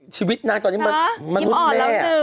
ชีวิตนางตอนนี้มนุษย์แม่